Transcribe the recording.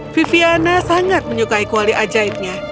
viviana sangat menyukai kuali ajaibnya